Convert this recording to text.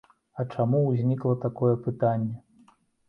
А чаму ўзнікла такое пытанне?